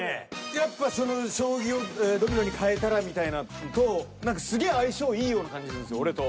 やっぱ将棋をドミノに変えたらみたいなのと何かすげぇ相性いいような感じするんすよ俺と。